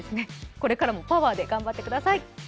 これからもパワーで頑張ってください。